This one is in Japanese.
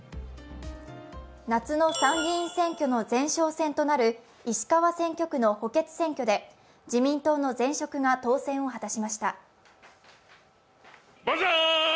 夏の参議院選挙の前哨戦となる石川選挙区の補欠選挙で、自民党の前職が当選を果たしました。